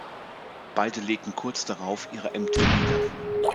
Beide legten kurz darauf ihre Ämter nieder.